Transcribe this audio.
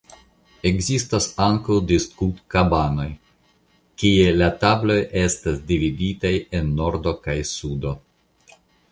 Ekzistas ankaŭ diskutkabanoj kie la tabloj estas dividitaj en nordo kaj sudo.